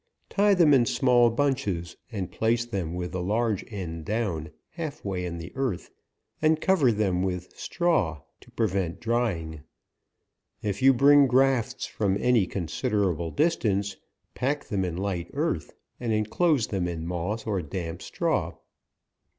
Tie them in small bunches, and place them with the large end down, halfway in the earth, and cover them with straw, to prevent drying. If you bring grafts from any considerable distance, pack them in light earth, and inclose them in moss or damp straw.